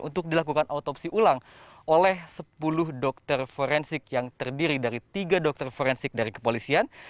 untuk dilakukan autopsi ulang oleh sepuluh dokter forensik yang terdiri dari tiga dokter forensik dari kepolisian